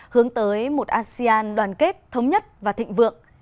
hướng tới một asean đoàn kết thống nhất và thịnh vượng